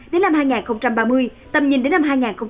đến năm hai nghìn ba mươi tầm nhìn đến năm hai nghìn bốn mươi năm